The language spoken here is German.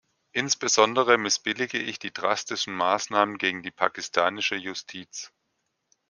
Insbesondere missbillige ich die drastischen Maßnahmen gegen die pakistanische Justiz.